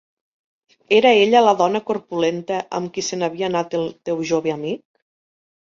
Era ella la dona corpulenta amb qui se n'havia anat el teu jove amic?